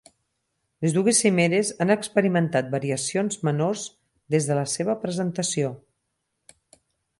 Les dues cimeres han experimentat variacions menors des de la seva presentació.